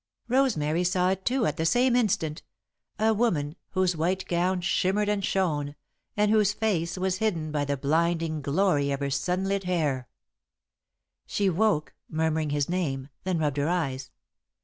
Rosemary saw it, too, at the same instant a woman whose white gown shimmered and shone, and whose face was hidden by the blinding glory of her sunlit hair. She woke, murmuring his name, then rubbed her eyes.